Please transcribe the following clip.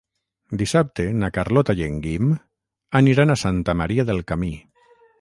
Dissabte na Carlota i en Guim aniran a Santa Maria del Camí.